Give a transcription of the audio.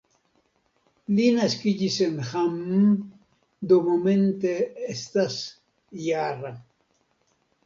Li naskiĝis en Hamm, do momente estas -jara.